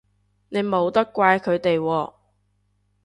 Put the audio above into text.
你冇得怪佢哋喎